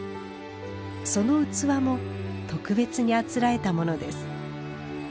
その器も特別にあつらえたものです。